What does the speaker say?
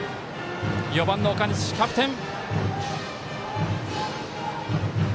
４番、岡西、キャプテン。